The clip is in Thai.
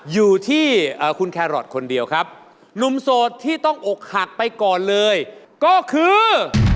อยู่ที่คุณแครอทคนเดียวครับหนุ่มโสดที่ต้องอกหักไปก่อนเลยก็คือ